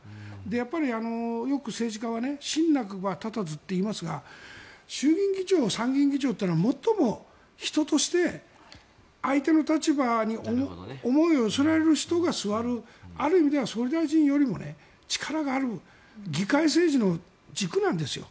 やっぱり、よく政治家は信なくば立たずといいますが衆議院議長参議院議長というのは最も人として相手の立場に思いを寄せられる人が座るある意味では総理大臣よりも力がある議会政治の軸なんですよ。